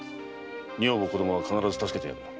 女房子供は必ず助けてやる。